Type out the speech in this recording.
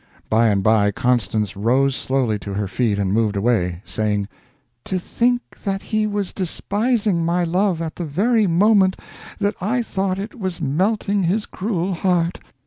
By and by Constance rose slowly to her feet and moved away, saying: "To think that he was despising my love at the very moment that I thought it was melting his cruel heart!